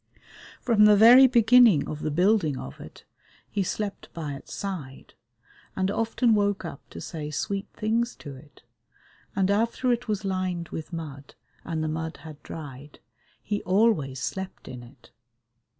From the very beginning of the building of it he slept by its side, and often woke up to say sweet things to it, and after it was lined with mud and the mud had dried he always slept in it.